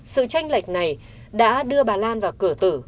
sự tranh lệch này đã đưa bà lan vào cửa tử